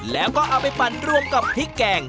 แล้วก็เอาไปปั่นรวมกับพริกแกง